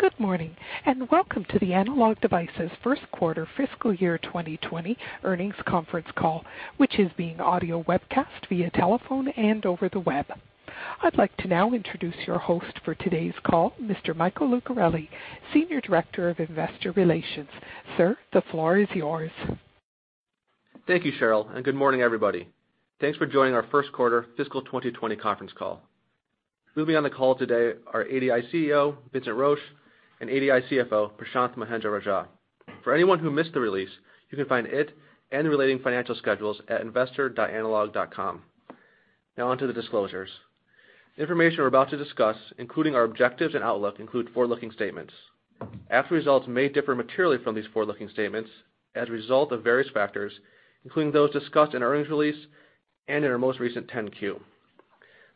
Good morning, welcome to the Analog Devices first quarter fiscal year 2020 earnings conference call, which is via telephone and over the web. I'd like to now introduce your host for today's call, Mr. Michael Lucarelli, Senior Director of Investor Relations. Sir, the floor is yours. Thank you, Cheryl. Good morning, everybody. Thanks for joining our first quarter fiscal 2020 conference call. With me on the call today are ADI CEO, Vincent Roche, and ADI CFO, Prashanth Mahendra-Rajah. For anyone who missed the release, you can find it and relating financial schedules at investor.analog.com. Now on to the disclosures. The information we're about to discuss, including our objectives and outlook, include forward-looking statements. Actual results may differ materially from these forward-looking statements as a result of various factors, including those discussed in our earnings release and in our most recent 10-Q.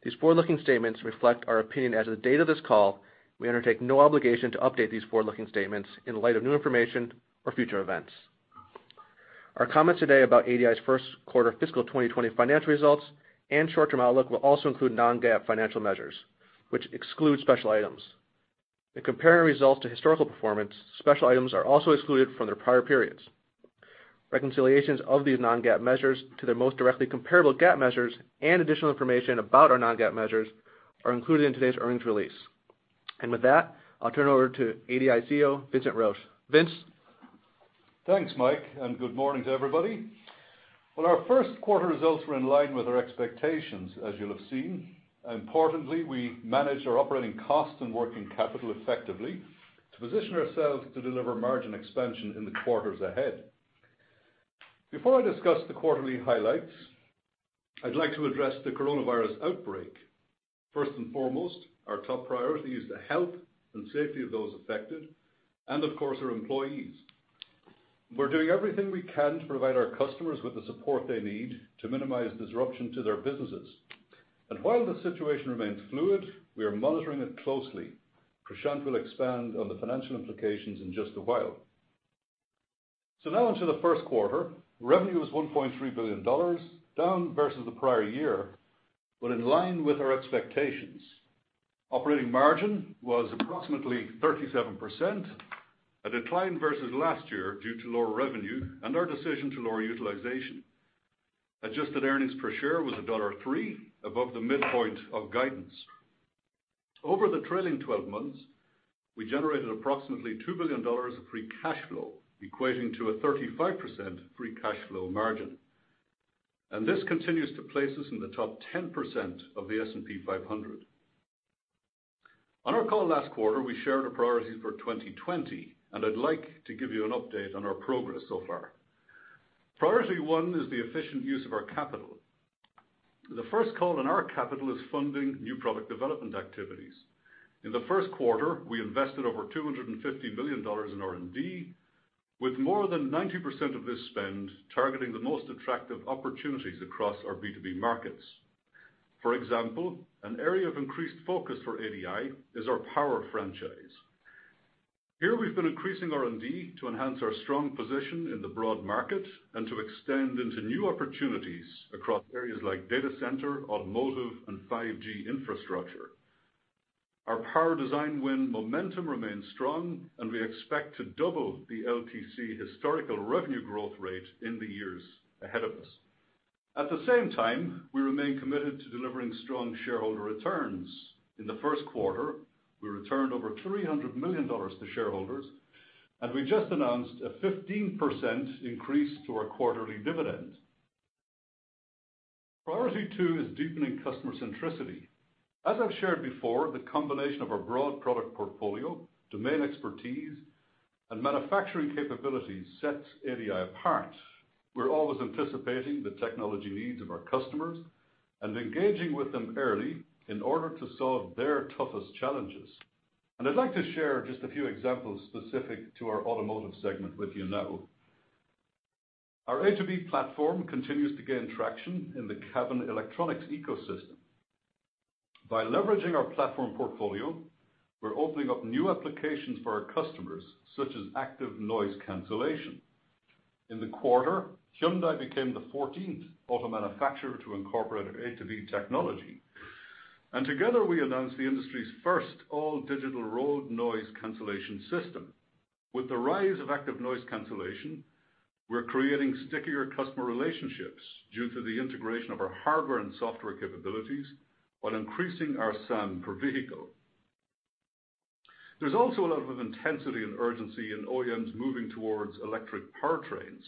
These forward-looking statements reflect our opinion as of the date of this call. We undertake no obligation to update these forward-looking statements in light of new information or future events. Our comments today about ADI's first quarter fiscal 2020 financial results and short-term outlook will also include non-GAAP financial measures, which exclude special items. In comparing results to historical performance, special items are also excluded from their prior periods. Reconciliations of these non-GAAP measures to their most directly comparable GAAP measures and additional information about our non-GAAP measures are included in today's earnings release. With that, I'll turn it over to ADI CEO, Vincent Roche. Vince. Thanks, Mike. Good morning to everybody. Our first quarter results were in line with our expectations, as you'll have seen. Importantly, we managed our operating cost and working capital effectively to position ourselves to deliver margin expansion in the quarters ahead. Before I discuss the quarterly highlights, I'd like to address the coronavirus outbreak. First and foremost, our top priority is the health and safety of those affected, and of course, our employees. We're doing everything we can to provide our customers with the support they need to minimize disruption to their businesses. While the situation remains fluid, we are monitoring it closely. Prashanth will expand on the financial implications in just a while. Now onto the first quarter. Revenue was $1.3 billion, down versus the prior year, but in line with our expectations. Operating margin was approximately 37%, a decline versus last year due to lower revenue and our decision to lower utilization. Adjusted earnings per share was $1.03, above the midpoint of guidance. Over the trailing 12 months, we generated approximately $2 billion of free cash flow, equating to a 35% free cash flow margin. This continues to place us in the top 10% of the S&P 500. On our call last quarter, we shared our priorities for 2020, and I'd like to give you an update on our progress so far. Priority one is the efficient use of our capital. The first call on our capital is funding new product development activities. In the first quarter, we invested over $250 million in R&D, with more than 90% of this spend targeting the most attractive opportunities across our B2B markets. For example, an area of increased focus for ADI is our power franchise. Here we've been increasing R&D to enhance our strong position in the broad market and to extend into new opportunities across areas like data center, automotive, and 5G infrastructure. Our power design win momentum remains strong, and we expect to double the LTC historical revenue growth rate in the years ahead of us. At the same time, we remain committed to delivering strong shareholder returns. In the first quarter, we returned over $300 million to shareholders, and we just announced a 15% increase to our quarterly dividend. Priority two is deepening customer centricity. As I've shared before, the combination of our broad product portfolio, domain expertise, and manufacturing capabilities sets ADI apart. We're always anticipating the technology needs of our customers and engaging with them early in order to solve their toughest challenges. I'd like to share just a few examples specific to our automotive segment with you now. Our A2B platform continues to gain traction in the cabin electronics ecosystem. By leveraging our platform portfolio, we're opening up new applications for our customers, such as active noise cancellation. In the quarter, Hyundai became the 14th auto manufacturer to incorporate our A2B technology. Together, we announced the industry's first all-digital road noise cancellation system. With the rise of active noise cancellation, we're creating stickier customer relationships due to the integration of our hardware and software capabilities while increasing our SAM per vehicle. There's also a lot of intensity and urgency in OEMs moving towards electric powertrains.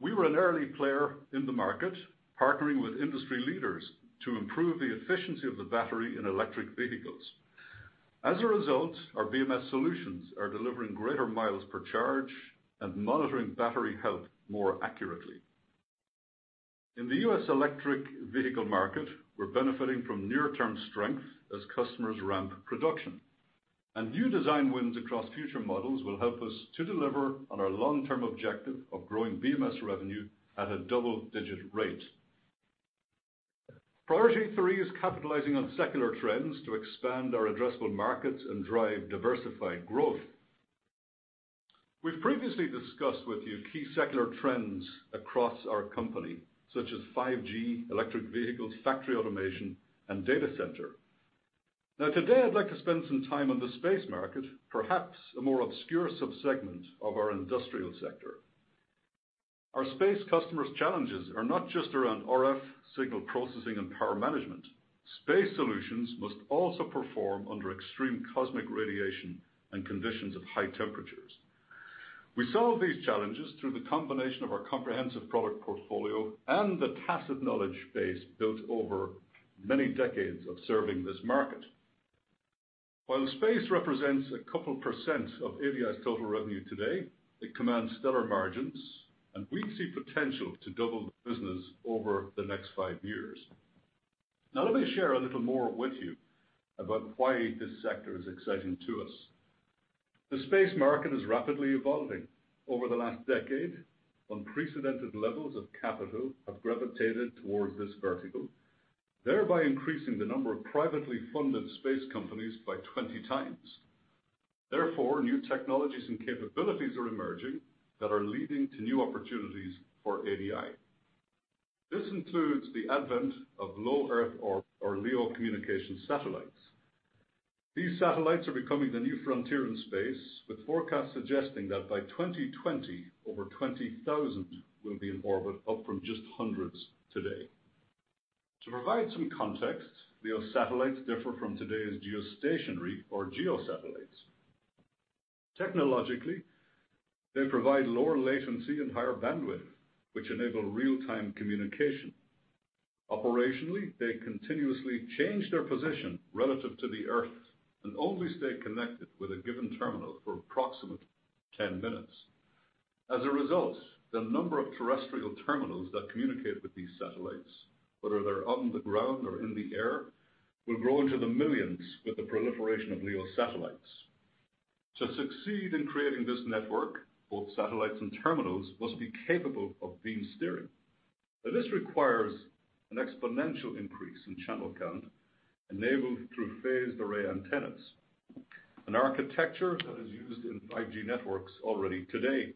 We were an early player in the market, partnering with industry leaders to improve the efficiency of the battery in electric vehicles. As a result, our BMS solutions are delivering greater miles per charge and monitoring battery health more accurately. In the U.S. electric vehicle market, we're benefiting from near-term strength as customers ramp production. New design wins across future models will help us to deliver on our long-term objective of growing BMS revenue at a double-digit rate. Priority 3 is capitalizing on secular trends to expand our addressable markets and drive diversified growth. We've previously discussed with you key secular trends across our company, such as 5G, electric vehicles, factory automation, and data center. Today I'd like to spend some time on the space market, perhaps a more obscure sub-segment of our industrial sector. Our space customers' challenges are not just around RF signal processing and power management. Space solutions must also perform under extreme cosmic radiation and conditions of high temperatures. We solve these challenges through the combination of our comprehensive product portfolio and the tacit knowledge base built over many decades of serving this market. While space represents a couple percent of ADI's total revenue today, it commands stellar margins, and we see potential to double the business over the next five years. Let me share a little more with you about why this sector is exciting to us. The space market is rapidly evolving. Over the last decade, unprecedented levels of capital have gravitated towards this vertical, thereby increasing the number of privately funded space companies by 20 times. New technologies and capabilities are emerging that are leading to new opportunities for ADI. This includes the advent of low Earth orbit or LEO communication satellites. These satellites are becoming the new frontier in space, with forecasts suggesting that by 2020 over 20,000 will be in orbit, up from just hundreds today. To provide some context, LEO satellites differ from today's geostationary or GEO satellites. Technologically, they provide lower latency and higher bandwidth, which enable real-time communication. Operationally, they continuously change their position relative to the Earth and only stay connected with a given terminal for approximately 10 minutes. As a result, the number of terrestrial terminals that communicate with these satellites, whether they're on the ground or in the air, will grow into the millions with the proliferation of LEO satellites. To succeed in creating this network, both satellites and terminals must be capable of beam steering. Now, this requires an exponential increase in channel count enabled through phased array antennas, an architecture that is used in 5G networks already today.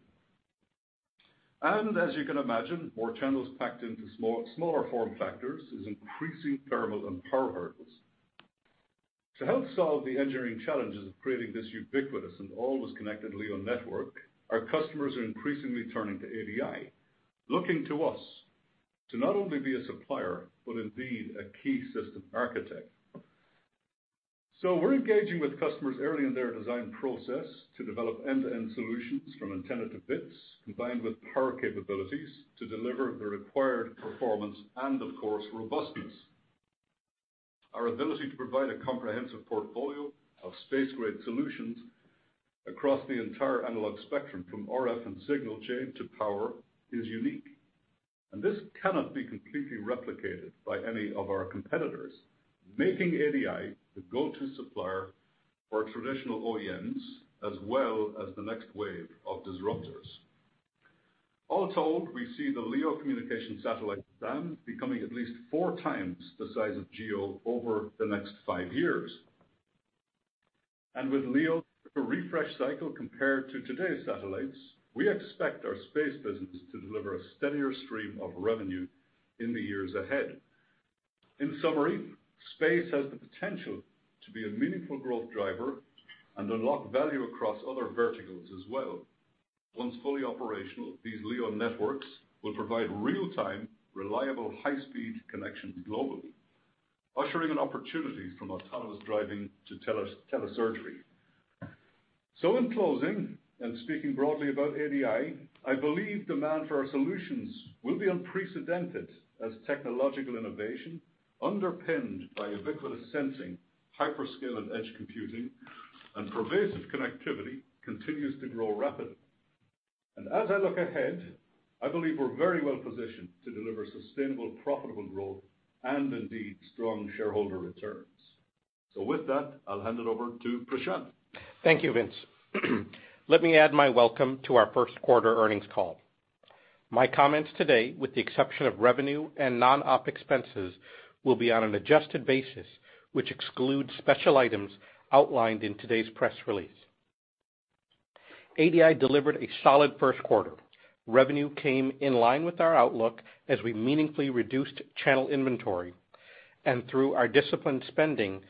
As you can imagine, more channels packed into smaller form factors is increasing thermal and power hurdles. To help solve the engineering challenges of creating this ubiquitous and always connected LEO network, our customers are increasingly turning to ADI, looking to us to not only be a supplier, but indeed a key system architect. We're engaging with customers early in their design process to develop end-to-end solutions from antenna to bits, combined with power capabilities to deliver the required performance and of course, robustness. Our ability to provide a comprehensive portfolio of space-grade solutions across the entire analog spectrum, from RF and signal chain to power, is unique, and this cannot be completely replicated by any of our competitors, making ADI the go-to supplier for traditional OEMs as well as the next wave of disruptors. All told, we see the LEO communication satellite TAM becoming at least 4 times the size of GEO over the next five years. With LEO's refresh cycle compared to today's satellites, we expect our space business to deliver a steadier stream of revenue in the years ahead. In summary, space has the potential to be a meaningful growth driver and unlock value across other verticals as well. Once fully operational, these LEO networks will provide real-time, reliable, high-speed connections globally, ushering in opportunities from autonomous driving to telesurgery. In closing, and speaking broadly about ADI, I believe demand for our solutions will be unprecedented as technological innovation underpinned by ubiquitous sensing, hyperscale and edge computing, and pervasive connectivity continues to grow rapidly. As I look ahead, I believe we're very well positioned to deliver sustainable, profitable growth and indeed strong shareholder returns. With that, I'll hand it over to Prashanth. Thank you, Vince. Let me add my welcome to our first quarter earnings call. My comments today, with the exception of revenue and non-op expenses, will be on an adjusted basis, which excludes special items outlined in today's press release. ADI delivered a solid first quarter. Revenue came in line with our outlook as we meaningfully reduced channel inventory, and through our disciplined spending,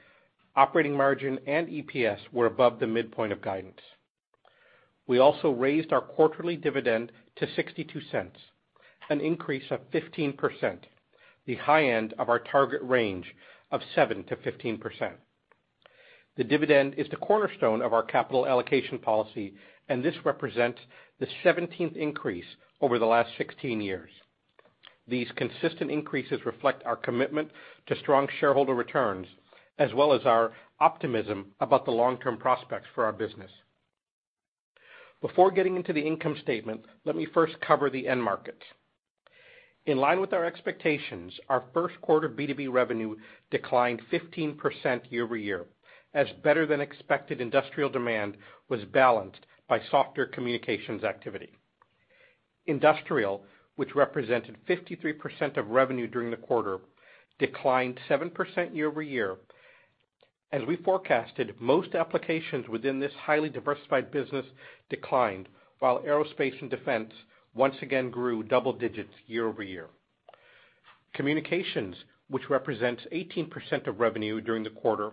operating margin and EPS were above the midpoint of guidance. We also raised our quarterly dividend to $0.62, an increase of 15%, the high end of our target range of 7%-15%. The dividend is the cornerstone of our capital allocation policy, and this represents the 17th increase over the last 16 years. These consistent increases reflect our commitment to strong shareholder returns, as well as our optimism about the long-term prospects for our business. Before getting into the income statement, let me first cover the end markets. In line with our expectations, our first quarter B2B revenue declined 15% year-over-year, as better-than-expected industrial demand was balanced by softer communications activity. Industrial, which represented 53% of revenue during the quarter, declined 7% year-over-year. As we forecasted, most applications within this highly diversified business declined, while aerospace and defense once again grew double digits year-over-year. Communications, which represents 18% of revenue during the quarter,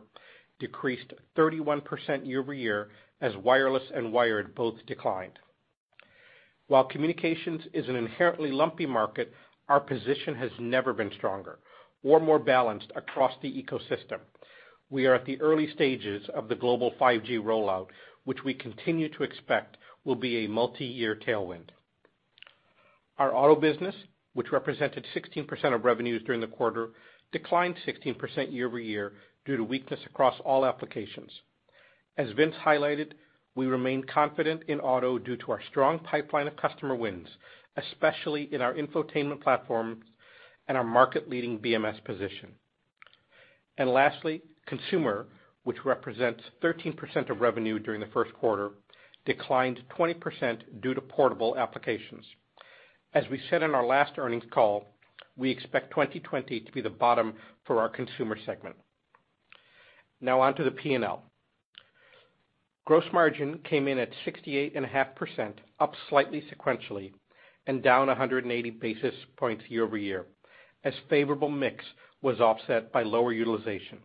decreased 31% year-over-year, as wireless and wired both declined. While communications is an inherently lumpy market, our position has never been stronger or more balanced across the ecosystem. We are at the early stages of the global 5G rollout, which we continue to expect will be a multiyear tailwind. Our auto business, which represented 16% of revenues during the quarter, declined 16% year-over-year due to weakness across all applications. As Vince highlighted, we remain confident in auto due to our strong pipeline of customer wins, especially in our infotainment platform and our market-leading BMS position. Lastly, consumer, which represents 13% of revenue during the first quarter, declined 20% due to portable applications. As we said in our last earnings call, we expect 2020 to be the bottom for our consumer segment. On to the P&L. Gross margin came in at 68.5%, up slightly sequentially and down 180 basis points year-over-year, as favorable mix was offset by lower utilization.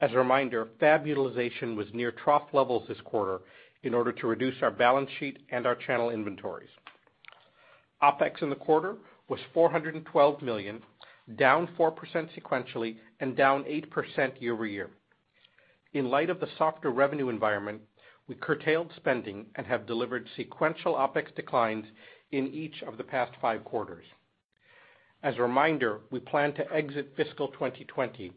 As a reminder, fab utilization was near trough levels this quarter in order to reduce our balance sheet and our channel inventories. OpEx in the quarter was $412 million, down 4% sequentially and down 8% year-over-year. In light of the softer revenue environment, we curtailed spending and have delivered sequential OpEx declines in each of the past five quarters. As a reminder, we plan to exit fiscal 2020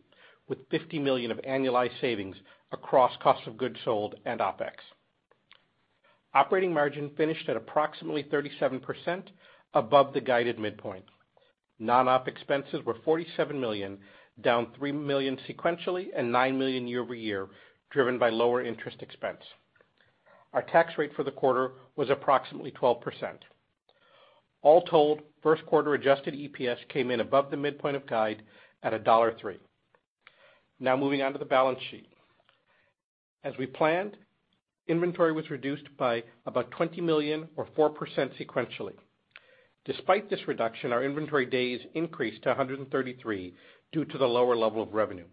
with $50 million of annualized savings across cost of goods sold and OpEx. Operating margin finished at approximately 37%, above the guided midpoint. Non-OP expenses were $47 million, down $3 million sequentially and $9 million year-over-year, driven by lower interest expense. Our tax rate for the quarter was approximately 12%. All told, first quarter adjusted EPS came in above the midpoint of guide at $1.03. Moving on to the balance sheet. As we planned, inventory was reduced by about $20 million or 4% sequentially. Despite this reduction, our inventory days increased to 133 due to the lower level of revenue.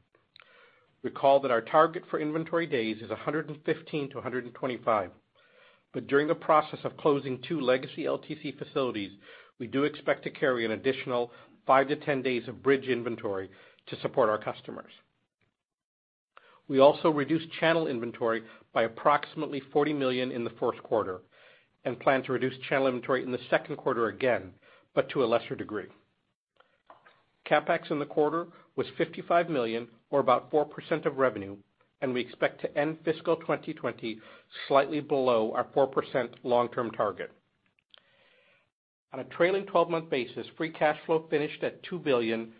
Recall that our target for inventory days is 115-125. During the process of closing two legacy LTC facilities, we do expect to carry an additional 5-10 days of bridge inventory to support our customers. We also reduced channel inventory by approximately $40 million in the first quarter, and plan to reduce channel inventory in the second quarter again, but to a lesser degree. CapEx in the quarter was $55 million, or about 4% of revenue, and we expect to end fiscal 2020 slightly below our 4% long-term target. On a trailing 12-month basis, free cash flow finished at $2 billion,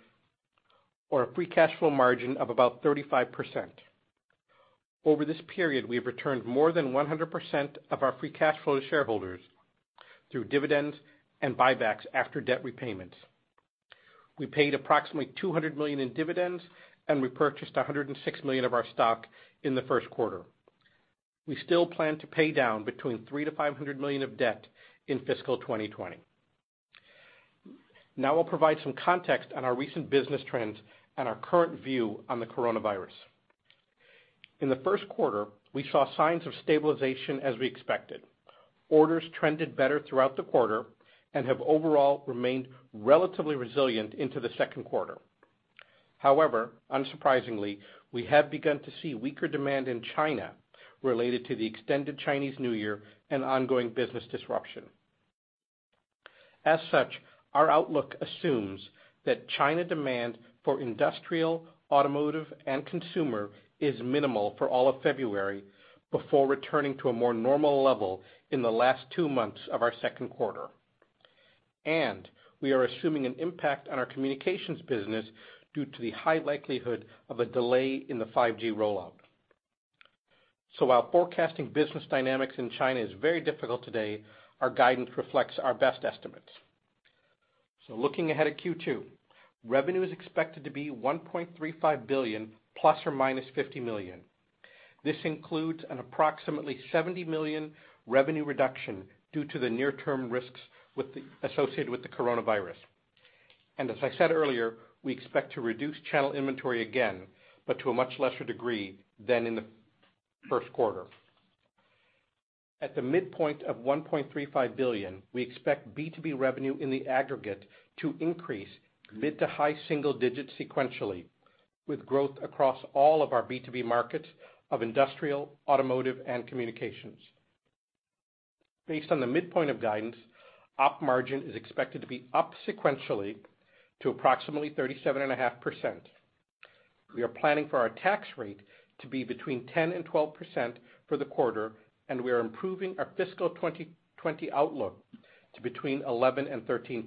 or a free cash flow margin of about 35%. Over this period, we have returned more than 100% of our free cash flow to shareholders through dividends and buybacks after debt repayments. We paid approximately $200 million in dividends, and we purchased $106 million of our stock in the first quarter. We still plan to pay down between $300 million-$500 million of debt in fiscal 2020. We'll provide some context on our recent business trends and our current view on the coronavirus. In the first quarter, we saw signs of stabilization as we expected. Orders trended better throughout the quarter and have overall remained relatively resilient into the second quarter. Unsurprisingly, we have begun to see weaker demand in China related to the extended Chinese New Year and ongoing business disruption. As such, our outlook assumes that China demand for industrial, automotive, and consumer is minimal for all of February before returning to a more normal level in the last two months of our second quarter. We are assuming an impact on our communications business due to the high likelihood of a delay in the 5G rollout. While forecasting business dynamics in China is very difficult today, our guidance reflects our best estimates. Looking ahead at Q2, revenue is expected to be $1.35 billion ±$50 million. This includes an approximately $70 million revenue reduction due to the near-term risks associated with the coronavirus. As I said earlier, we expect to reduce channel inventory again, but to a much lesser degree than in the first quarter. At the midpoint of $1.35 billion, we expect B2B revenue in the aggregate to increase mid to high single digits sequentially, with growth across all of our B2B markets of industrial, automotive, and communications. Based on the midpoint of guidance, Op margin is expected to be up sequentially to approximately 37.5%. We are planning for our tax rate to be between 10% and 12% for the quarter. We are improving our fiscal 2020 outlook to between 11% and 13%.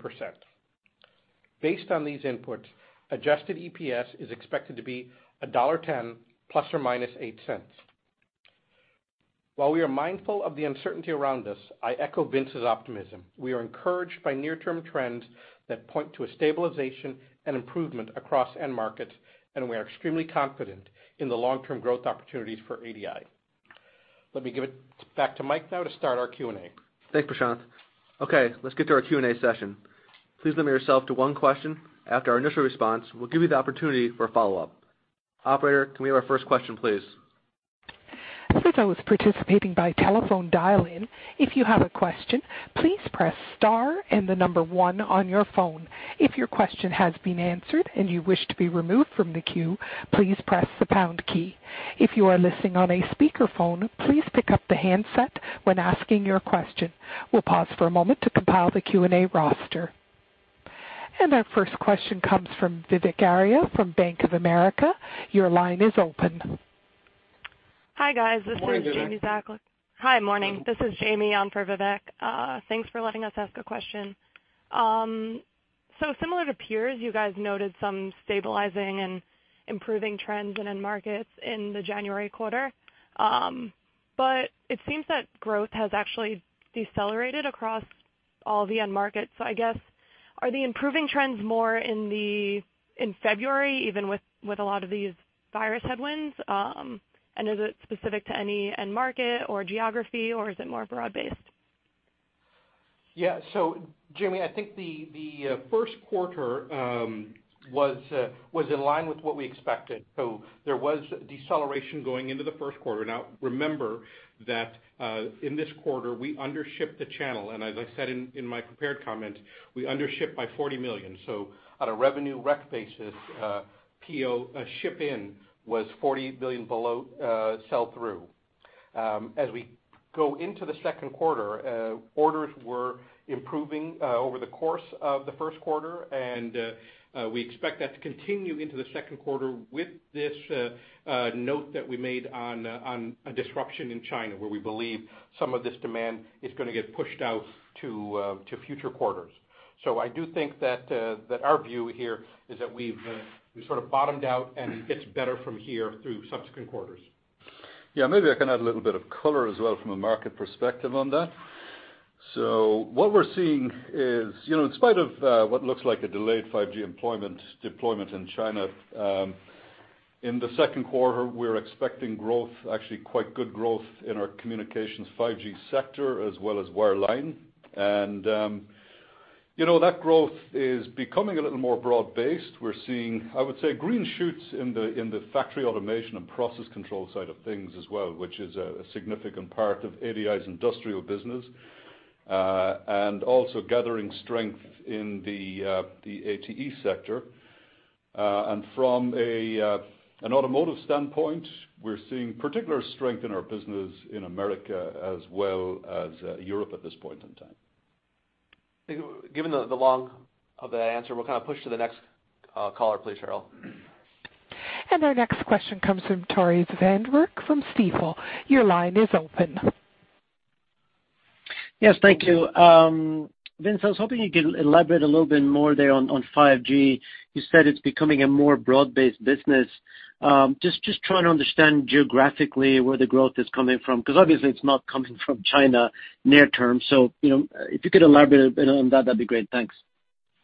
Based on these inputs, adjusted EPS is expected to be $1.10 ±$0.08. While we are mindful of the uncertainty around us, I echo Vince's optimism. We are encouraged by near-term trends that point to a stabilization and improvement across end markets. We are extremely confident in the long-term growth opportunities for ADI. Let me give it back to Mike now to start our Q&A. Thanks, Prashanth. Okay, let's get to our Q&A session. Please limit yourself to one question. After our initial response, we'll give you the opportunity for a follow-up. Operator, can we have our first question, please? Since I was participating by telephone dial-in, if you have a question, please press star and the number one on your phone. If your question has been answered and you wish to be removed from the queue, please press the pound key. If you are listening on a speakerphone, please pick up the handset when asking your question. We'll pause for a moment to compile the Q&A roster. Our first question comes from Vivek Arya from Bank of America. Your line is open. Hi, guys. Morning, Vivek. This is Jamie Zakalik. Hi. Morning. This is Jamie on for Vivek. Thanks for letting us ask a question. Similar to peers, you guys noted some stabilizing and improving trends in end markets in the January quarter. It seems that growth has actually decelerated across all the end markets. I guess, are the improving trends more in February, even with a lot of these virus headwinds? Is it specific to any end market or geography, or is it more broad-based? Yeah. Jamie, I think the first quarter was in line with what we expected. Remember that, in this quarter, we undershipped the channel. As I said in my prepared comment, we undershipped by $40 million. On a revenue rec basis, PO ship in was $40 million below sell-through. As we go into the second quarter, orders were improving over the course of the first quarter, and we expect that to continue into the second quarter with this note that we made on a disruption in China, where we believe some of this demand is going to get pushed out to future quarters. I do think that our view here is that we've sort of bottomed out, and it gets better from here through subsequent quarters. Yeah. Maybe I can add a little bit of color as well from a market perspective on that. What we're seeing is, in spite of what looks like a delayed 5G deployment in China, in the second quarter, we're expecting growth, actually quite good growth, in our communications 5G sector, as well as wireline. That growth is becoming a little more broad-based. We're seeing, I would say, green shoots in the factory automation and process control side of things as well, which is a significant part of ADI's industrial business. Also gathering strength in the ATE sector. From an automotive standpoint, we're seeing particular strength in our business in America as well as Europe at this point in time. Given the long of that answer, we'll kind of push to the next caller, please, Cheryl. Our next question comes from Tore Svanberg from Stifel. Your line is open. Yes. Thank you. Vince, I was hoping you could elaborate a little bit more there on 5G. You said it's becoming a more broad-based business. Just trying to understand geographically where the growth is coming from, because obviously, it's not coming from China near term. If you could elaborate a bit on that'd be great. Thanks.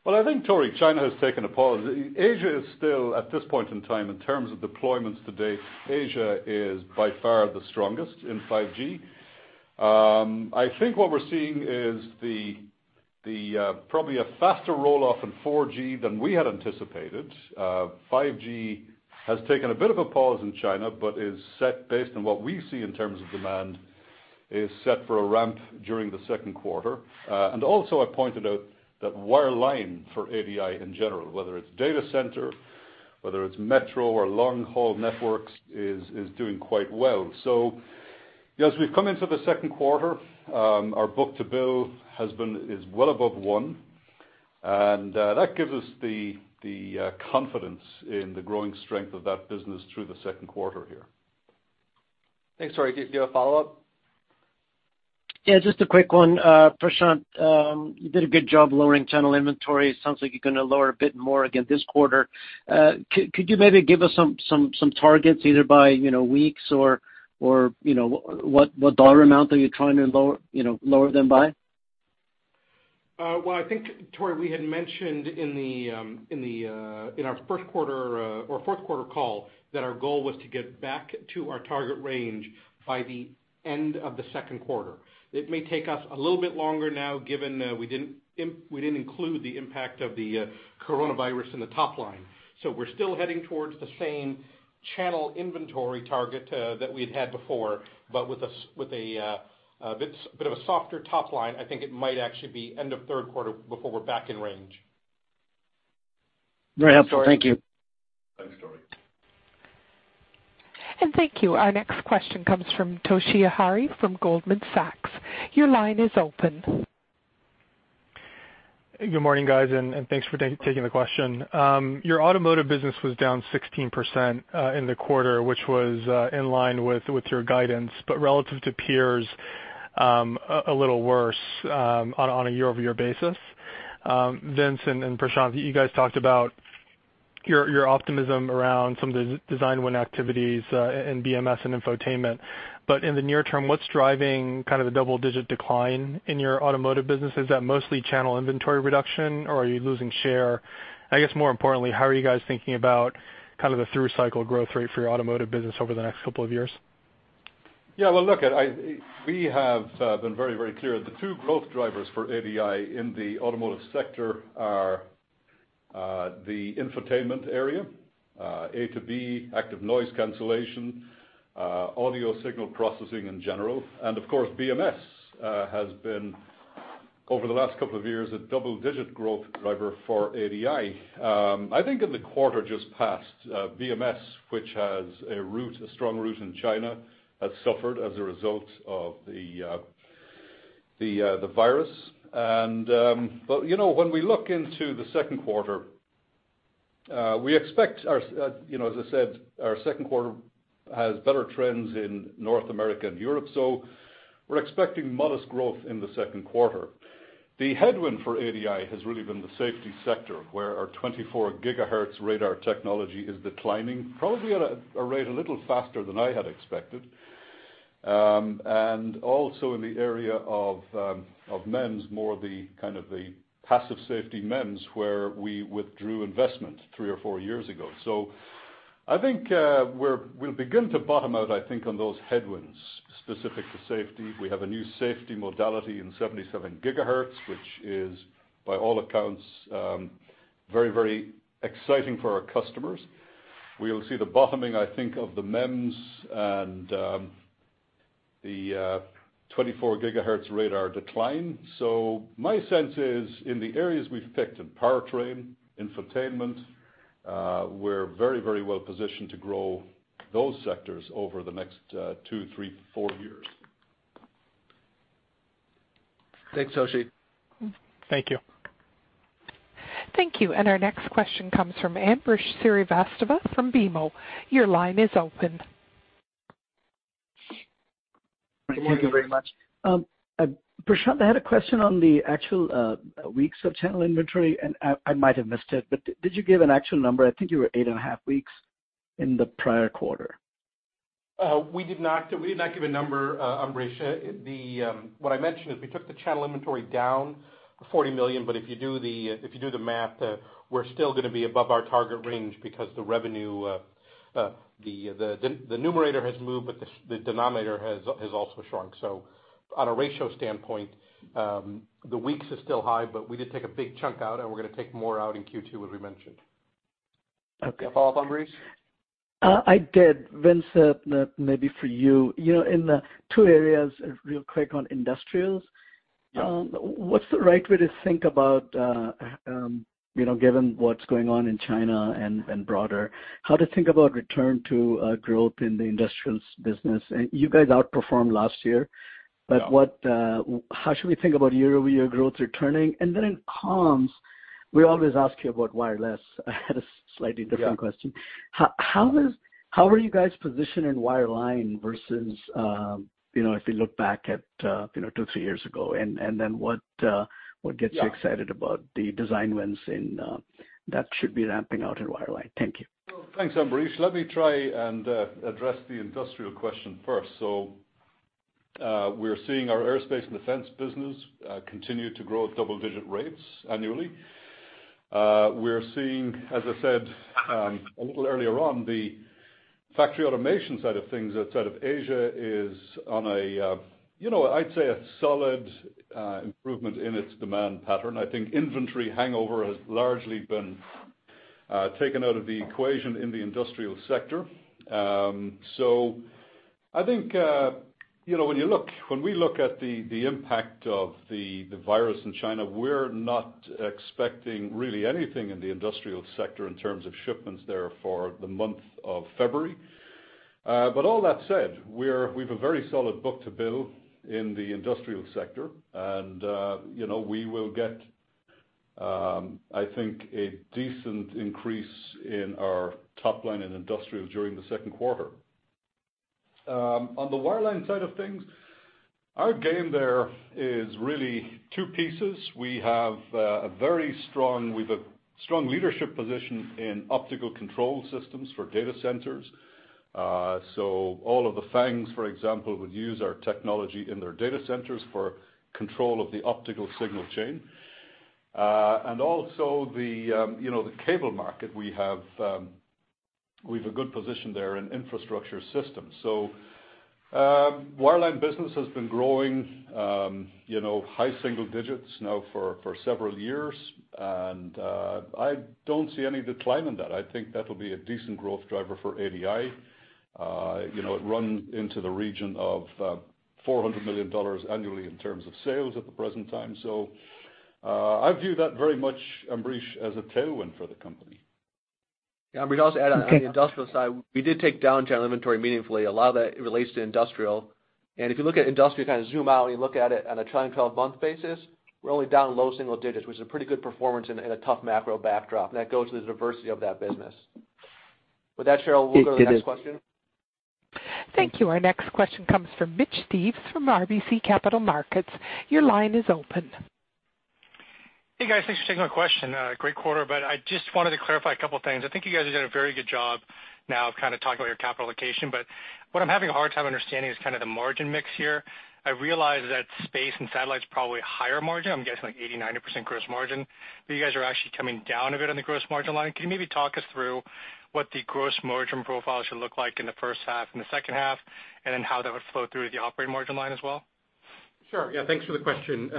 I think Tore, China has taken a pause. Asia is still, at this point in time, in terms of deployments to date, Asia is by far the strongest in 5G. I think what we're seeing is probably a faster roll-off in 4G than we had anticipated. 5G has taken a bit of a pause in China, but based on what we see in terms of demand, is set for a ramp during the second quarter. Also, I pointed out that wireline for ADI in general, whether it's data center, whether it's metro or long-haul networks, is doing quite well. As we've come into the second quarter, our book to bill is well above 1, and that gives us the confidence in the growing strength of that business through the second quarter here. Thanks, Tore. Do you have a follow-up? Yeah, just a quick one. Prashanth, you did a good job lowering channel inventory. It sounds like you're going to lower a bit more again this quarter. Could you maybe give us some targets either by weeks or what dollar amount are you trying to lower them by? Well, I think, Tore, we had mentioned in our first quarter or fourth quarter call that our goal was to get back to our target range by the end of the second quarter. It may take us a little bit longer now, given we didn't include the impact of the coronavirus in the top line. We're still heading towards the same channel inventory target that we'd had before, but with a bit of a softer top line, I think it might actually be end of third quarter before we're back in range. Very helpful. Thank you. Thanks, Tore. Thank you. Our next question comes from Toshiya Hari from Goldman Sachs. Your line is open. Good morning, guys. Thanks for taking the question. Your automotive business was down 16% in the quarter, which was in line with your guidance, but relative to peers, a little worse on a year-over-year basis. Vince and Prashanth, you guys talked about your optimism around some of the design win activities in BMS and infotainment. In the near term, what's driving the double-digit decline in your automotive business? Is that mostly channel inventory reduction, or are you losing share? I guess more importantly, how are you guys thinking about the through cycle growth rate for your automotive business over the next couple of years? Yeah. Well, look, we have been very clear. The two growth drivers for ADI in the automotive sector are the infotainment area, A2B active noise cancellation, audio signal processing in general, and of course, BMS has been, over the last couple of years, a double-digit growth driver for ADI. I think in the quarter just passed, BMS, which has a strong root in China, has suffered as a result of the virus. When we look into the second quarter, as I said, our second quarter has better trends in North America and Europe, we're expecting modest growth in the second quarter. The headwind for ADI has really been the safety sector, where our 24 GHz radar technology is declining, probably at a rate a little faster than I had expected. Also in the area of MEMS, more the passive safety MEMS where we withdrew investment three or four years ago. I think we'll begin to bottom out, I think, on those headwinds specific to safety. We have a new safety modality in 77 GHz, which is by all accounts very exciting for our customers. We'll see the bottoming, I think, of the MEMS and the 24 GHz radar decline. My sense is in the areas we've picked, in powertrain, infotainment, we're very well positioned to grow those sectors over the next two, three, four years. Thanks, Toshi. Thank you. Thank you. Our next question comes from Ambrish Srivastava from BMO. Your line is open. Thank you very much. Prashanth, I had a question on the actual weeks of channel inventory. I might have missed it, but did you give an actual number? I think you were eight and a half weeks in the prior quarter. We did not give a number, Ambrish. What I mentioned is we took the channel inventory down to $40 million. If you do the math, we're still going to be above our target range because the numerator has moved, but the denominator has also shrunk. On a ratio standpoint, the weeks are still high, but we did take a big chunk out and we're going to take more out in Q2, as we mentioned. Okay. You have follow-up, Ambrish? I did. Vince, maybe for you. In the two areas, real quick on industrials. Yeah. What's the right way to think about, given what's going on in China and broader, how to think about return to growth in the industrials business? You guys outperformed last year. Yeah. How should we think about year-over-year growth returning? Then in comms, we always ask you about wireless. I had a slightly different question. Yeah. How are you guys positioned in wireline versus if we look back at two, three years ago? What gets you excited about the design wins in that should be ramping out in wireline? Thank you. Well, thanks, Ambrish. Let me try and address the industrial question first. We're seeing our aerospace and defense business continue to grow at double-digit rates annually. We're seeing, as I said a little earlier on, the factory automation side of things outside of Asia is on a, I'd say, a solid improvement in its demand pattern. I think inventory hangover has largely been taken out of the equation in the industrial sector. I think when we look at the impact of the virus in China, we're not expecting really anything in the industrial sector in terms of shipments there for the month of February. All that said, we've a very solid book to bill in the industrial sector, and we will get, I think, a decent increase in our top line in industrials during the second quarter. On the wireline side of things, our game there is really two pieces. We have a strong leadership position in optical control systems for data centers. All of the FANGs, for example, would use our technology in their data centers for control of the optical signal chain. Also the cable market, we have a good position there in infrastructure systems. Wireline business has been growing high single digits now for several years, and I don't see any decline in that. I think that'll be a decent growth driver for ADI. It run into the region of $400 million annually in terms of sales at the present time. I view that very much, Ambrish, as a tailwind for the company. Yeah, Ambrish, I'll just add on the industrial side, we did take down channel inventory meaningfully. A lot of that relates to industrial. If you look at industrial, kind of zoom out and you look at it on a trailing 12-month basis, we're only down low single digits, which is a pretty good performance in a tough macro backdrop. That goes to the diversity of that business. With that, Cheryl, we'll go to the next question. Thank you. Our next question comes from Mitch Steves from RBC Capital Markets. Your line is open. Hey, guys. Thanks for taking my question. Great quarter, but I just wanted to clarify a couple of things. I think you guys are doing a very good job now of kind of talking about your capital allocation, but what I'm having a hard time understanding is kind of the margin mix here. I realize that space and satellite's probably higher margin. I'm guessing like 80%, 90% gross margin. But you guys are actually coming down a bit on the gross margin line. Can you maybe talk us through what the gross margin profile should look like in the first half and the second half, and then how that would flow through to the operating margin line as well? Sure. Thanks for the question,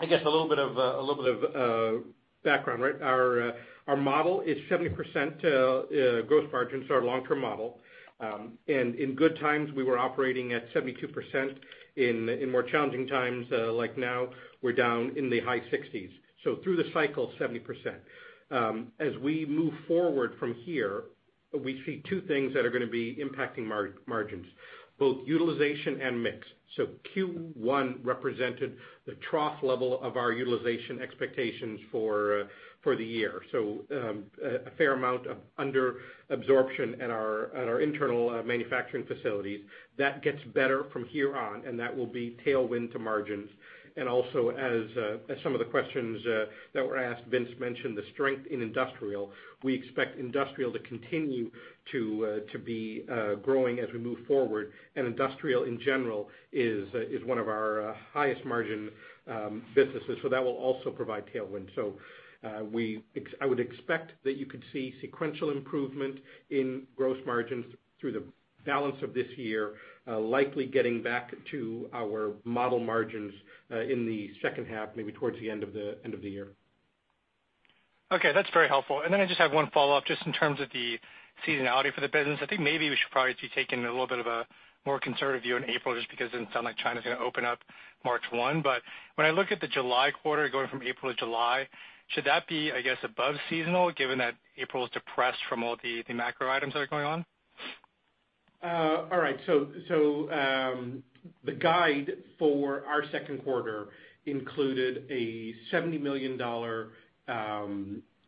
Mitch. I guess a little bit of background, right? Our model is 70% gross margins, our long-term model. In good times, we were operating at 72%. In more challenging times, like now, we're down in the high 60s. Through the cycle, 70%. As we move forward from here, we see two things that are going to be impacting margins, both utilization and mix. Q1 represented the trough level of our utilization expectations for the year. A fair amount of under absorption at our internal manufacturing facilities. That gets better from here on, and that will be tailwind to margins. Also, as some of the questions that were asked, Vince mentioned the strength in industrial. We expect industrial to continue to be growing as we move forward, and industrial, in general, is one of our highest margin businesses. That will also provide tailwind. I would expect that you could see sequential improvement in gross margins through the balance of this year, likely getting back to our model margins in the second half, maybe towards the end of the year. Okay, that's very helpful. I just have one follow-up, just in terms of the seasonality for the business. I think maybe we should probably be taking a little bit of a more conservative view in April, just because it doesn't sound like China's going to open up March 1. When I look at the July quarter going from April to July, should that be, I guess, above seasonal, given that April is depressed from all the macro items that are going on? All right. The guide for our second quarter included a $70 million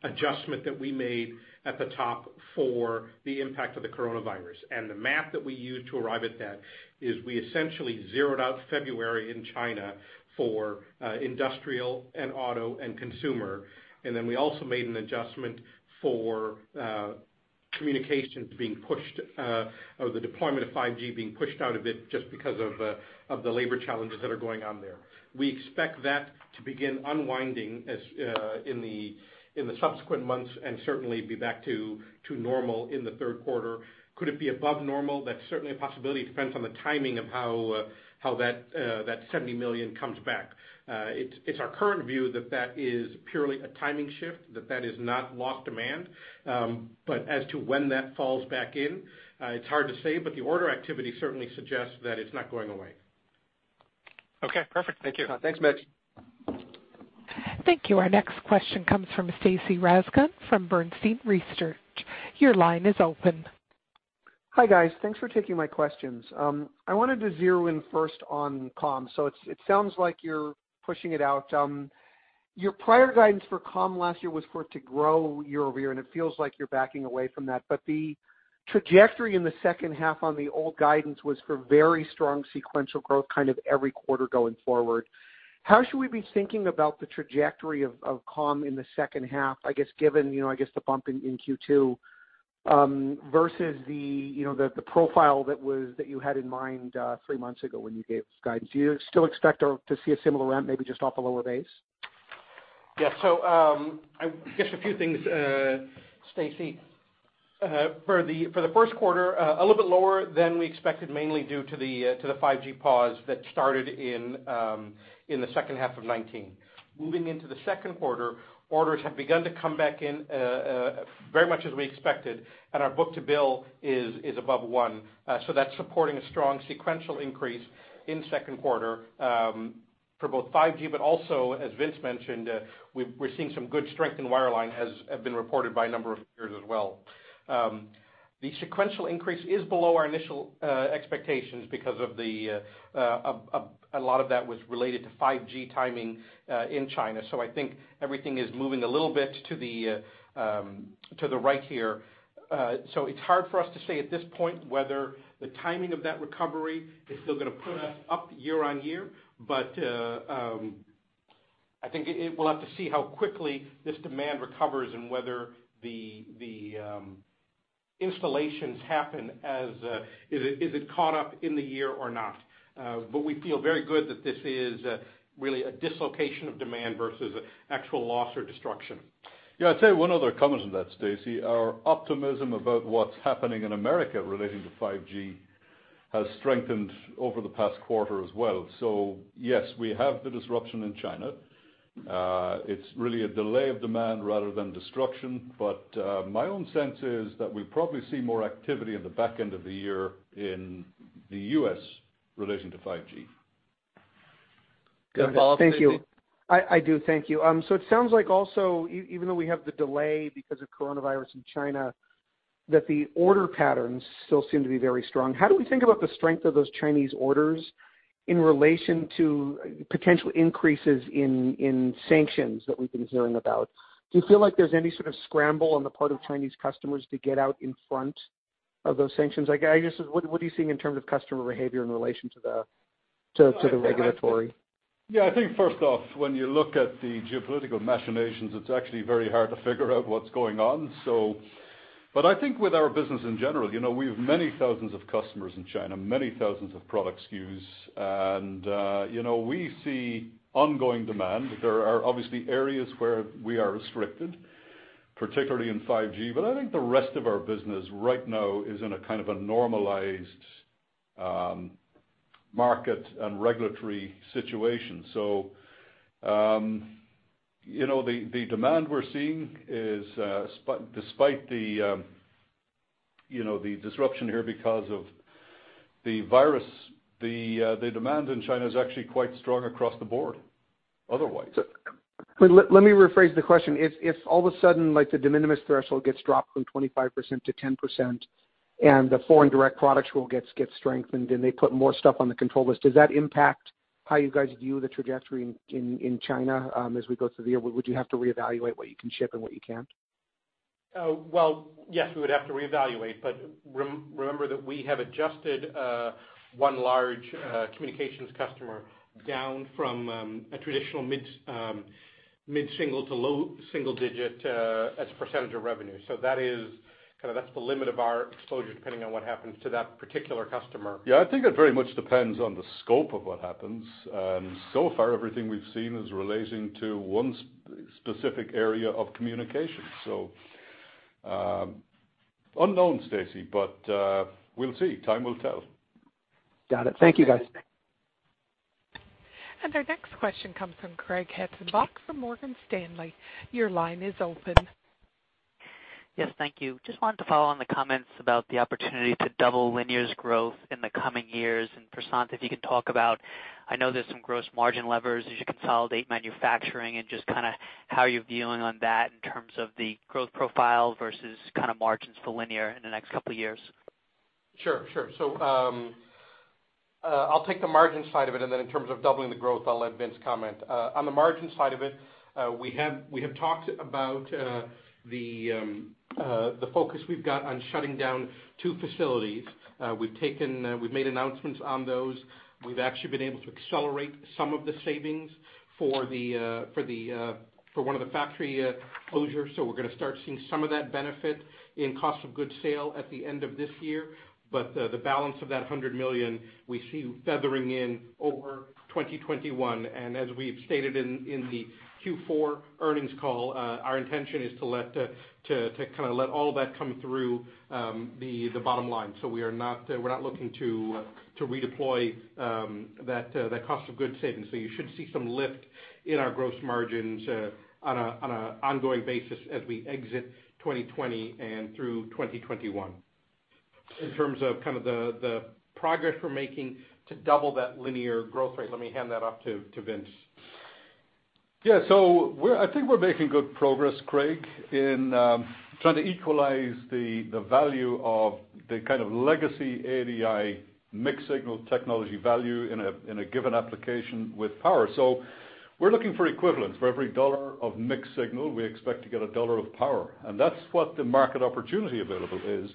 adjustment that we made at the top for the impact of the coronavirus. The math that we used to arrive at that is we essentially zeroed out February in China for industrial and auto and consumer. We also made an adjustment for communications being pushed, or the deployment of 5G being pushed out a bit just because of the labor challenges that are going on there. We expect that to begin unwinding in the subsequent months, and certainly be back to normal in the third quarter. Could it be above normal? That is certainly a possibility. It depends on the timing of how that $70 million comes back. It is our current view that that is purely a timing shift, that that is not lost demand. As to when that falls back in, it's hard to say, but the order activity certainly suggests that it's not going away. Okay, perfect. Thank you. Thanks, Mitch. Thank you. Our next question comes from Stacy Rasgon from Bernstein Research. Your line is open. Hi, guys. Thanks for taking my questions. It sounds like you're pushing it out. Your prior guidance for comm last year was for it to grow year-over-year, and it feels like you're backing away from that. The trajectory in the second half on the old guidance was for very strong sequential growth, kind of every quarter going forward. How should we be thinking about the trajectory of comm in the second half, I guess, given the bump in Q2, versus the profile that you had in mind three months ago when you gave us guidance? Do you still expect to see a similar ramp, maybe just off a lower base? Yeah. Just a few things, Stacy. For the first quarter, a little bit lower than we expected, mainly due to the 5G pause that started in the second half of 2019. Moving into the second quarter, orders have begun to come back in very much as we expected, and our book to bill is above one. That's supporting a strong sequential increase in second quarter for both 5G, but also, as Vince mentioned, we're seeing some good strength in wireline, as have been reported by a number of peers as well. The sequential increase is below our initial expectations because a lot of that was related to 5G timing in China. I think everything is moving a little bit to the right here. It's hard for us to say at this point whether the timing of that recovery is still going to put us up year-over-year. I think we'll have to see how quickly this demand recovers and whether the installations happen as it caught up in the year or not. We feel very good that this is really a dislocation of demand versus actual loss or destruction. Yeah, I'd say one other comment on that, Stacy. Our optimism about what's happening in the U.S. relating to 5G has strengthened over the past quarter as well. Yes, we have the disruption in China. It's really a delay of demand rather than destruction. My own sense is that we'll probably see more activity in the back end of the year in the U.S. relating to 5G. Follow up, Stacy? Thank you. I do, thank you. It sounds like also, even though we have the delay because of coronavirus in China, that the order patterns still seem to be very strong. How do we think about the strength of those Chinese orders in relation to potential increases in sanctions that we've been hearing about? Do you feel like there's any sort of scramble on the part of Chinese customers to get out in front of those sanctions? I guess, what are you seeing in terms of customer behavior in relation to the regulatory? Yeah, I think first off, when you look at the geopolitical machinations, it's actually very hard to figure out what's going on. I think with our business in general, we have many thousands of customers in China, many thousands of product SKUs, and we see ongoing demand. There are obviously areas where we are restricted, particularly in 5G. I think the rest of our business right now is in a kind of a normalized market and regulatory situation. The demand we're seeing, despite the disruption here because of the virus, the demand in China is actually quite strong across the board, otherwise. Let me rephrase the question. If all of a sudden, the de minimis threshold gets dropped from 25%-10%, and the Foreign Direct Product Rule gets strengthened, and they put more stuff on the control list, does that impact how you guys view the trajectory in China as we go through the year? Would you have to reevaluate what you can ship and what you can't? Yes, we would have to reevaluate. Remember that we have adjusted one large communications customer down from a traditional mid-single to low single digit as a percentage of revenue. That's the limit of our exposure, depending on what happens to that particular customer. Yeah, I think it very much depends on the scope of what happens. So far, everything we've seen is relating to one specific area of communication. Unknown, Stacy, but we'll see. Time will tell. Got it. Thank you, guys. Our next question comes from Craig Hettenbach from Morgan Stanley. Your line is open. Yes, thank you. Just wanted to follow on the comments about the opportunity to double Linear's growth in the coming years. Prashanth, if you could talk about, I know there's some gross margin levers as you consolidate manufacturing, and just how you're viewing on that in terms of the growth profile versus margins for Linear in the next couple of years. Sure. I'll take the margin side of it, and then in terms of doubling the growth, I'll let Vince comment. On the margin side of it, we have talked about the focus we've got on shutting down two facilities. We've made announcements on those. We've actually been able to accelerate some of the savings for one of the factory closures, we're going to start seeing some of that benefit in cost of goods sold at the end of this year. The balance of that $100 million, we see feathering in over 2021. As we've stated in the Q4 earnings call, our intention is to kind of let all of that come through the bottom line. We're not looking to redeploy that cost of goods savings. You should see some lift in our gross margins on an ongoing basis as we exit 2020 and through 2021. In terms of the progress we're making to double that linear growth rate, let me hand that off to Vince. Yeah. I think we're making good progress, Craig, in trying to equalize the value of the kind of legacy ADI mixed signal technology value in a given application with power. We're looking for equivalence. For every dollar of mixed signal, we expect to get a dollar of power, and that's what the market opportunity available is.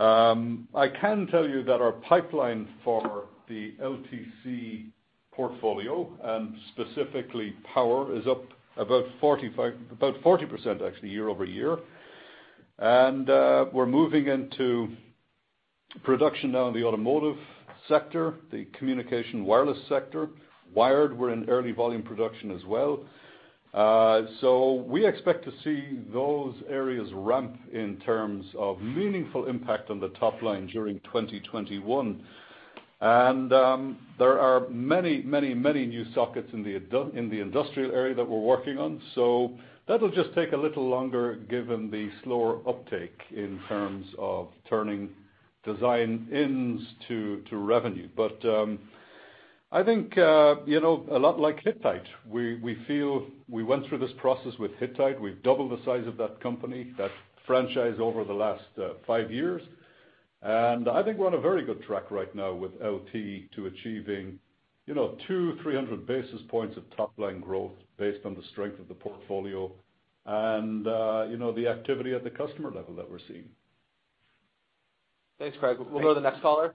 I can tell you that our pipeline for the LTC portfolio, and specifically power, is up about 40% actually year-over-year. We're moving into production now in the automotive sector, the communication wireless sector. Wired, we're in early volume production as well. We expect to see those areas ramp in terms of meaningful impact on the top line during 2021. There are many new sockets in the industrial area that we're working on, so that'll just take a little longer given the slower uptake in terms of turning design-ins to revenue. I think a lot like Hittite. We went through this process with Hittite. We've doubled the size of that company, that franchise, over the last five years. I think we're on a very good track right now with LT to achieving 200, 300 basis points of top-line growth based on the strength of the portfolio and the activity at the customer level that we're seeing. Thanks, Craig. We'll go to the next caller.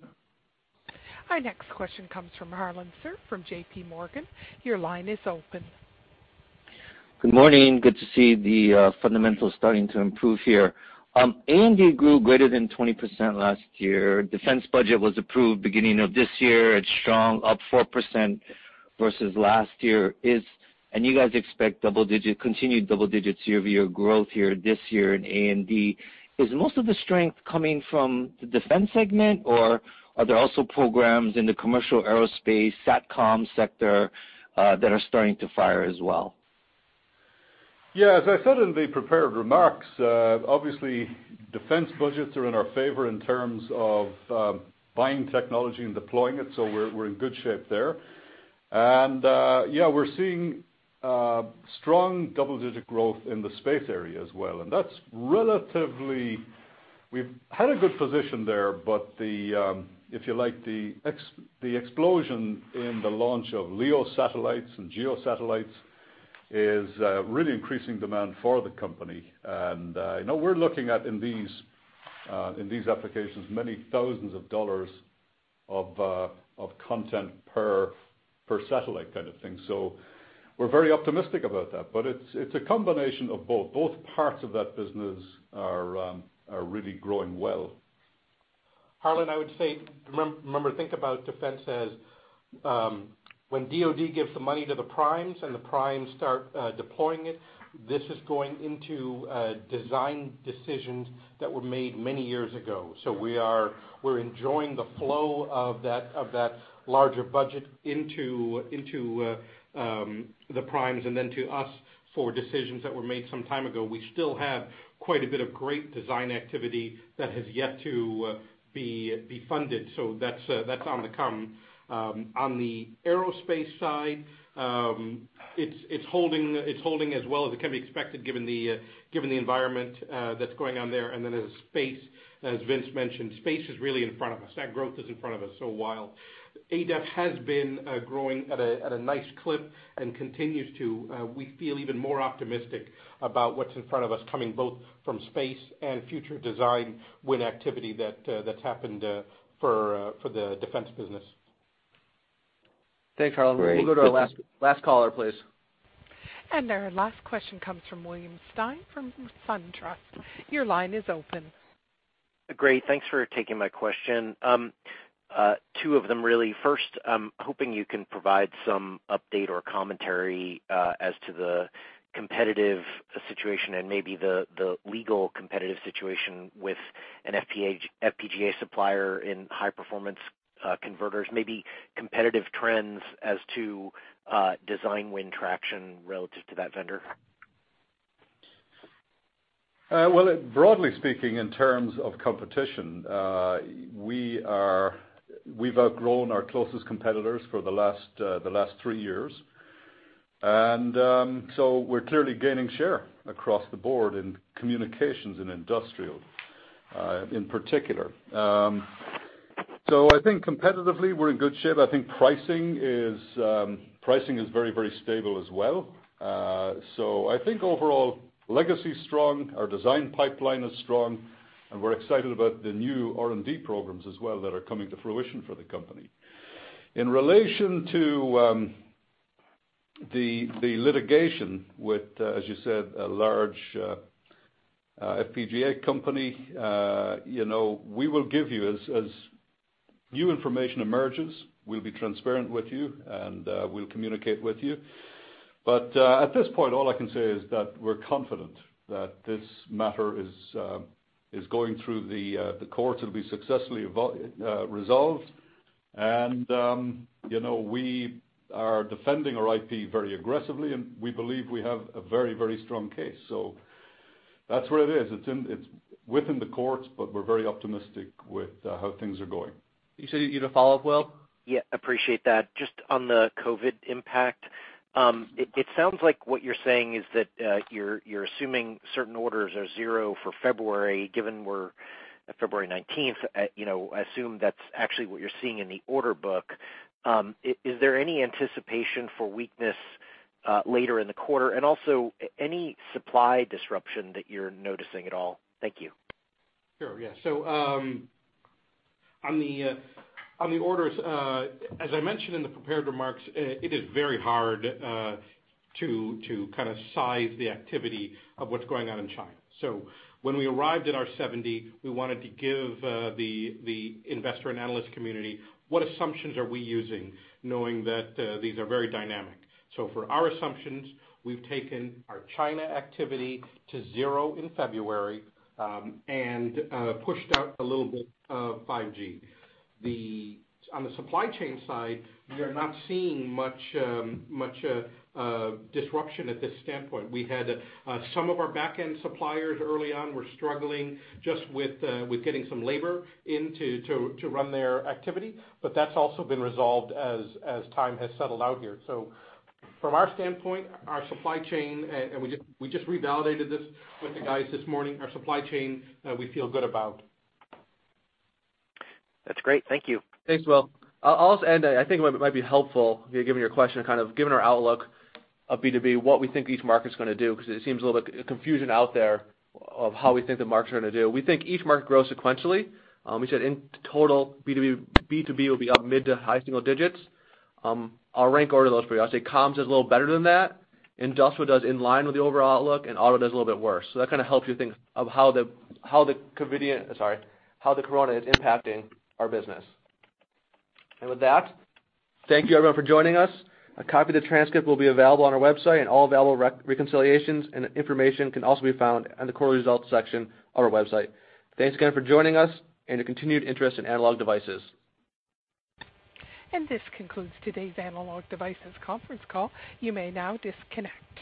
Our next question comes from Harlan Sur from JPMorgan. Your line is open. Good morning. Good to see the fundamentals starting to improve here. A&D grew greater than 20% last year. Defense budget was approved beginning of this year. It's strong, up 4% versus last year. You guys expect continued double-digit year-over-year growth here this year in A&D. Is most of the strength coming from the defense segment, or are there also programs in the commercial aerospace, SATCOM sector that are starting to fire as well? Yeah, as I said in the prepared remarks, obviously defense budgets are in our favor in terms of buying technology and deploying it, so we're in good shape there. Yeah, we're seeing strong double-digit growth in the space area as well. We've had a good position there, but if you like, the explosion in the launch of LEO satellites and GEO satellites is really increasing demand for the company. We're looking at, in these applications, many thousands of dollars of content per satellite kind of thing. We're very optimistic about that. It's a combination of both. Both parts of that business are really growing well. Harlan, I would say, remember, think about defense as when DoD gives the money to the primes and the primes start deploying it, this is going into design decisions that were made many years ago. We're enjoying the flow of that larger budget into the primes, and then to us for decisions that were made some time ago. We still have quite a bit of great design activity that has yet to be funded. That's on the come. On the aerospace side, it's holding as well as it can be expected given the environment that's going on there. Then as space, as Vince mentioned, space is really in front of us. That growth is in front of us. While ADI has been growing at a nice clip and continues to, we feel even more optimistic about what's in front of us, coming both from space and future design win activity that's happened for the defense business. Thanks, Harlan. We'll go to our last caller, please. Our last question comes from William Stein from SunTrust. Your line is open. Great. Thanks for taking my question. Two of them, really. First, hoping you can provide some update or commentary as to the competitive situation and maybe the legal competitive situation with an FPGA supplier in high-performance converters, maybe competitive trends as to design win traction relative to that vendor. Broadly speaking, in terms of competition, we've outgrown our closest competitors for the last three years. We're clearly gaining share across the board in communications and industrial in particular. I think competitively, we're in good shape. I think pricing is very stable as well. I think overall, legacy is strong, our design pipeline is strong, and we're excited about the new R&D programs as well that are coming to fruition for the company. In relation to the litigation with, as you said, a large FPGA company, as new information emerges, we'll be transparent with you, and we'll communicate with you. At this point, all I can say is that we're confident that this matter is going through the courts. It'll be successfully resolved. We are defending our IP very aggressively, and we believe we have a very strong case. That's where it is. It's within the courts, but we're very optimistic with how things are going. You said you had a follow-up, Will? Appreciate that. Just on the COVID impact, it sounds like what you're saying is that you're assuming certain orders are zero for February, given we're at February 19th, I assume that's actually what you're seeing in the order book. Is there any anticipation for weakness later in the quarter? Also, any supply disruption that you're noticing at all? Thank you. Sure. Yeah. On the orders, as I mentioned in the prepared remarks, it is very hard to kind of size the activity of what's going on in China. When we arrived at our 70, we wanted to give the investor and analyst community what assumptions are we using, knowing that these are very dynamic. For our assumptions, we've taken our China activity to zero in February, and pushed out a little bit of 5G. On the supply chain side, we are not seeing much disruption at this standpoint. We had some of our back-end suppliers early on were struggling just with getting some labor in to run their activity, but that's also been resolved as time has settled out here. From our standpoint, our supply chain, and we just revalidated this with the guys this morning, our supply chain we feel good about. That's great. Thank you. Thanks, Will. I'll also end, I think it might be helpful, given your question, kind of given our outlook of B2B, what we think each market's going to do, because it seems a little bit confusion out there of how we think the markets are going to do. We think each market grows sequentially. We said in total, B2B will be up mid to high single digits. I'll rank order those for you. I'll say comms is a little better than that. Industrial does in line with the overall outlook, and auto does a little bit worse. That kind of helps you think of how the corona is impacting our business. With that, thank you everyone for joining us. A copy of the transcript will be available on our website, and all available reconciliations and information can also be found on the quarterly results section of our website. Thanks again for joining us and your continued interest in Analog Devices. This concludes today's Analog Devices conference call. You may now disconnect.